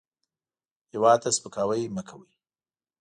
هېواد ته سپکاوی مه کوئ